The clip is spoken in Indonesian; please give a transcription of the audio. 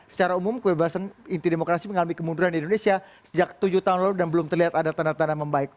secara umum kebebasan inti demokrasi mengalami kemunduran di indonesia sejak tujuh tahun lalu dan belum terlihat ada tanda tanda membaik